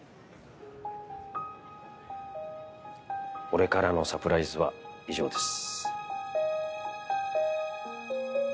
俺からのサプライズは以上です。